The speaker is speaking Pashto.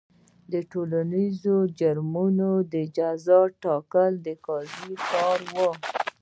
د ټولنیزو جرمونو د جزا ټاکل د قاضي کار و.